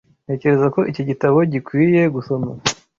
Ntekereza ko iki gitabo gikwiye gusoma.